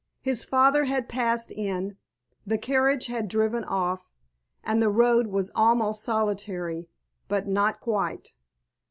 His father had passed in, the carriage had driven off, and the road was almost solitary but not quite.